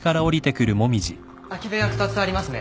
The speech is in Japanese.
空き部屋２つありますね。